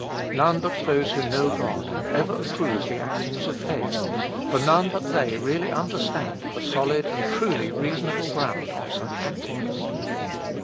None but those who know God, can ever approve the actings of faith, for none but they really understand the solid and truly reasonable ground of such actings.